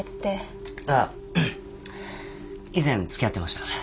ああ以前付き合ってました。